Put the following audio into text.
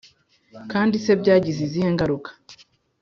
kandi se byagize izihe ngaruka?